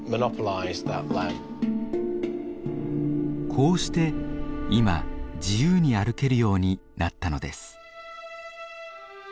こうして今自由に歩けるようになったのです。